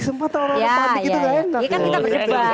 kesempatan orang tua panik itu gak enak